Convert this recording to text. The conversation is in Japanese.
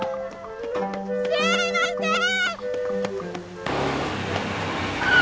すいませーん！